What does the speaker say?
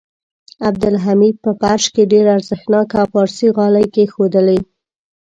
عبدالحمید په فرش کې ډېر ارزښتناکه پارسي غالۍ کېښودلې.